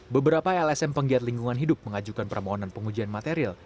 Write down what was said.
beberapa lsm penggiat lingkungan hidup mengajukan permohonan pengujian material